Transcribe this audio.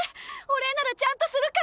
お礼ならちゃんとするから！